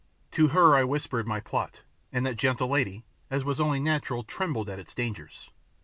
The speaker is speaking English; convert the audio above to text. To her I whispered my plot, and that gentle lady, as was only natural, trembled at its dangers.